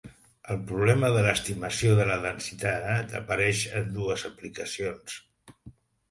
El problema de l'estimació de la densitat apareix en dues aplicacions.